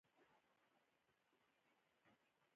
منظرې مو کتلې.